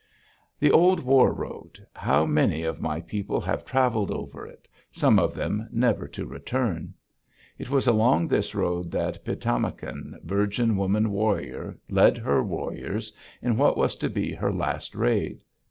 The old war road! How many of my people have traveled over it, some of them never to return. It was along this road that Pi´tamakan, virgin woman warrior, led her warriors in what was to be her last raid!